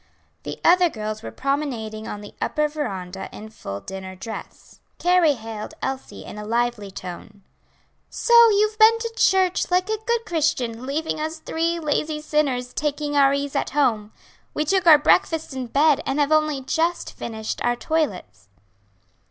The other girls were promenading on the upper veranda in full dinner dress. Carrie hailed Elsie in a lively tone. "So you've been to church, like a good Christian, leaving us three lazy sinners taking our ease at home. We took our breakfasts in bed, and have only just finished our toilets."